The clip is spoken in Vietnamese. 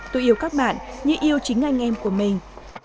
tôi yêu các bạn như yêu chính anh em của mình